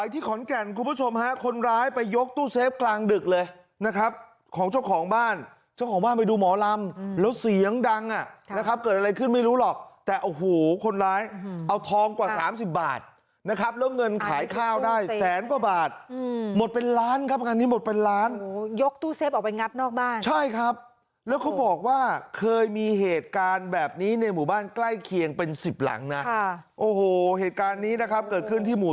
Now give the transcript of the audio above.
ที่ขอนแก่นคุณผู้ชมฮะคนร้ายไปยกตู้เซฟกลางดึกเลยนะครับของเจ้าของบ้านเจ้าของบ้านไปดูหมอลำแล้วเสียงดังอ่ะนะครับเกิดอะไรขึ้นไม่รู้หรอกแต่โอ้โหคนร้ายเอาทองกว่าสามสิบบาทนะครับแล้วเงินขายข้าวได้แสนกว่าบาทอืมหมดเป็นล้านครับอันนี้หมดเป็นล้านโอ้โหยกตู้เซฟออกไปงับนอกบ้านใช่ครับแล้วเขาบอกว่า